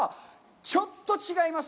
ちょっと違います。